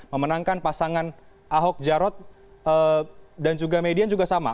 memenangkan pasangan ahok jarot dan juga median juga sama